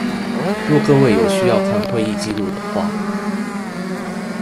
若各位有需要看會議紀錄的話